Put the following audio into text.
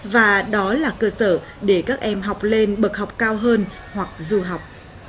và đó là cơ sở để các em học lên bậc học cao hơn hoặc du học